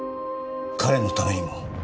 彼のためにも。